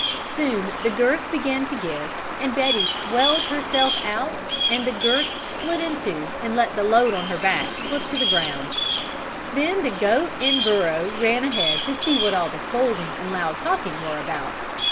Soon the girth began to give and Betty swelled herself out and the girth split in two and let the load on her back slip to the ground. Then the goat and Burro ran ahead to see what all the scolding and loud talking were about.